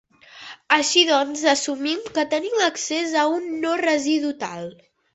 Així doncs assumim que tenim accés a un no-residu tal.